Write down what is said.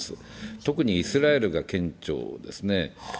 特にイスラエルが顕著ですね。